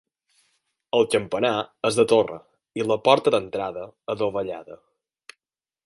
El campanar és de torre, i la porta d'entrada, adovellada.